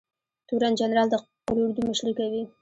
تورن جنرال د قول اردو مشري کوي